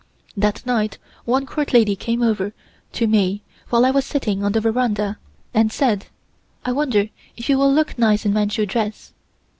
That night one Court lady came over to me while I was sitting on the veranda and said: "I wonder if you will look nice in Manchu dress?"